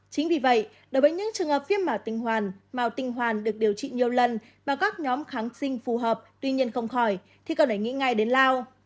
chính vì vậy đối với những trường hợp viêm màu tinh hoàn màu tinh hoàn được điều trị nhiều lần mà các nhóm kháng sinh phù hợp tuy nhiên không khỏi thì cần phải nghĩ ngay đến lao